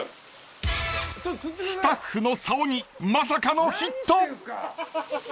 ［スタッフのさおにまさかの］